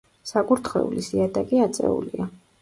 საკურთხევლის იატაკი აწეულია.